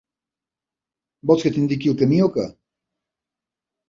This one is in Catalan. Vols que t'indiqui el camí o què?